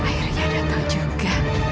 akhirnya datang juga